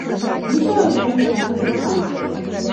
Не тое, што мяне ахапіла паніка.